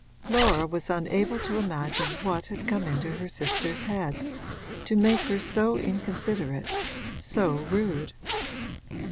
Laura was unable to imagine what had come into her sister's head to make her so inconsiderate, so rude.